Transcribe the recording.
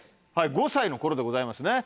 ５歳の頃でございますね。